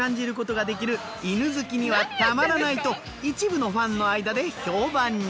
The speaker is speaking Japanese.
春日橋とは犬好きにはたまらないと一部のファンの間で評判に。